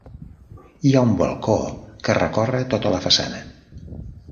Hi ha un balcó que recorre tota la façana.